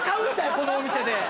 このお店で。